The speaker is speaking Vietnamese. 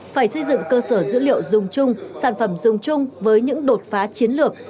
phải xây dựng cơ sở dữ liệu dùng chung sản phẩm dùng chung với những đột phá chiến lược